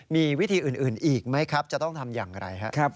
มีวิธีอื่นอีกไหมครับจะต้องทำอย่างไรครับ